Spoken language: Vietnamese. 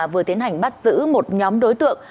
vừa tiến hành bắt giữ một nhóm đối tượng